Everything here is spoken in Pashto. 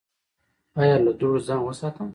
ایا له دوړو ځان وساتم؟